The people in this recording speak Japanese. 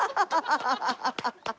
ハハハハハ！